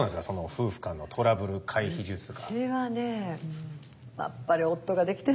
夫婦間のトラブル回避術とか。